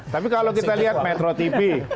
tapi kalau kita lihat metro tv